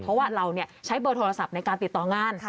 เพราะว่าเราใช้เบอร์โทรศัพท์ในการติดต่องาน